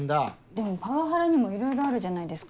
でもパワハラにもいろいろあるじゃないですか。